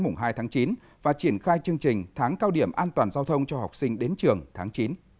mùng hai tháng chín và triển khai chương trình tháng cao điểm an toàn giao thông cho học sinh đến trường tháng chín